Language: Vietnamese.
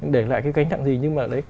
để lại cái gánh nặng gì nhưng mà đấy